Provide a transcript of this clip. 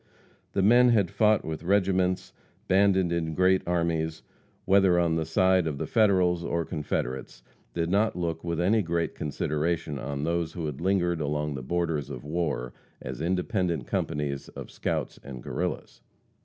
The men who had fought with regiments, banded in great armies, whether on the side of the Federals or Confederates, did not look with any great consideration on those who had lingered along the borders of war, as independent companies of scouts and Guerrillas.